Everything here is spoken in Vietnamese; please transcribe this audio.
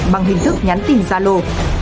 bằng hình thức nhắn tin zalo